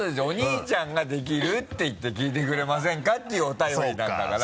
「お兄ちゃんができる」っていって「聞いてくれませんか？」っていうお便りなんだから。